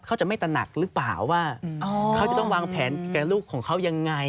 เขาจะไม่ตระหนักหรือเปล่าว่าเขาจะต้องวางแผนกับลูกของเขายังไง